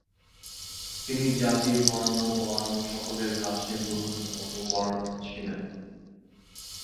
তিনি জাতি-ধর্ম-বর্ণ সকলের কাছে গ্রহণীয় ও বরণীয় ছিলেন।